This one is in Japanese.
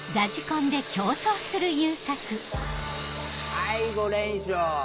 はい５連勝！